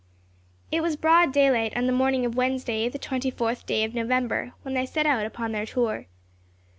It was broad daylight on the morning of Wednesday, the twenty fourth day of November, when they set out upon their tour.